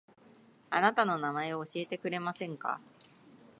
あなたの名前を教えてくれませんか